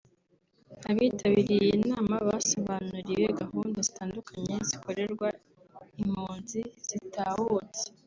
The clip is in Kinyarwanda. Abitabiriye iyi nama basobanuriwe gahunda zitandukanye zikorerwa impunzi zitahutse